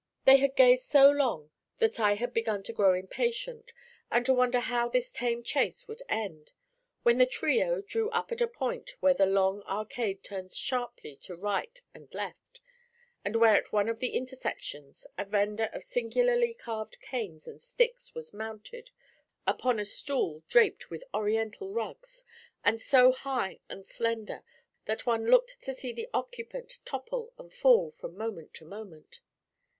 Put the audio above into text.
They had gazed so long that I had begun to grow impatient and to wonder how this tame chase would end, when the trio drew up at a point where the long arcade turns sharply to right and left, and where at one of the intersections a vendor of singularly carved canes and sticks was mounted upon a stool draped with Oriental rugs, and so high and slender that one looked to see the occupant topple and fall from moment to moment.